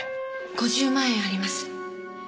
５０万円あります。